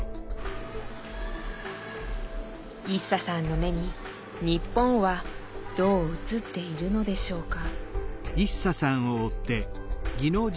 イッサさんの目に日本はどう映っているのでしょうか。